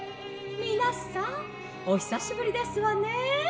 みなさんおひさしぶりですわね」。